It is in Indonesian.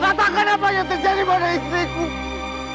katakan apa yang terjadi pada istriku